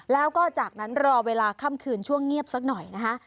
แล้วก็จากนั้นรอเวลาค่ำคืนช่วงเงียบสักหน่อยนะคะ